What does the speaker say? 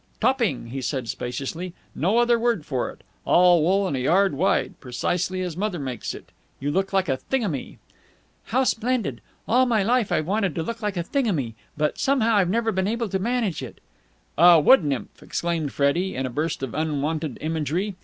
"Topping!" he said spaciously. "No other word for it. All wool and a yard wide. Precisely as mother makes it. You look like a thingummy." "How splendid. All my life I've wanted to look like a thingummy, but somehow I've never been able to manage it." "A wood nymph!" exclaimed Freddie, in a burst of unwonted imagery.